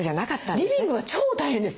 リビングは超大変です！